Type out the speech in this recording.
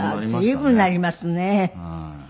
随分になりますね。